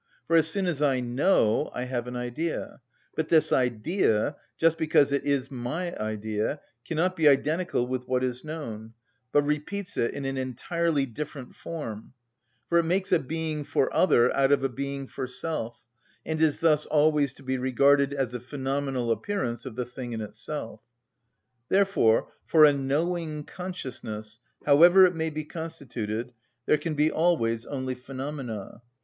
For as soon as I know, I have an idea; but this idea, just because it is my idea, cannot be identical with what is known, but repeats it in an entirely different form, for it makes a being for other out of a being for self, and is thus always to be regarded as a phenomenal appearance of the thing in itself. Therefore for a knowing consciousness, however it may be constituted, there can be always only phenomena.